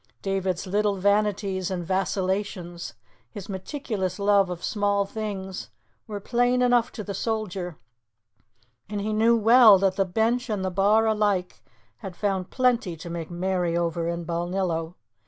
David's little vanities and vacillations, his meticulous love of small things, were plain enough to the soldier, and he knew well that the bench and the bar alike had found plenty to make merry over in Balnillo.